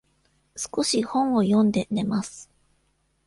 少し本を読んで、寝ます。